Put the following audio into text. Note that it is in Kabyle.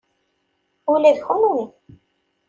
Ula d kenwi.